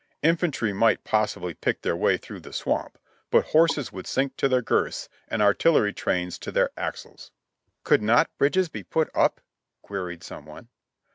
Infantry might possibly pick their way through the swamp, but horses would sink to their girths and artillery trains to their axles." "Could not bridges be put up?" queried some one.